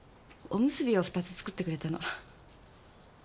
おむすびを２つ作ってくれたの。